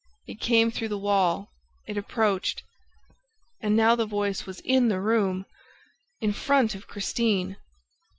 it came through the wall ... it approached ... and now the voice was IN THE ROOM, in front of Christine.